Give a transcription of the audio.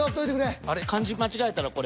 漢字間違えたらこれ。